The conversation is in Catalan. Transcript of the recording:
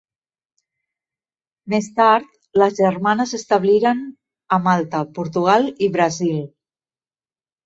Més tard, les germanes establiren a Malta, Portugal i Brasil.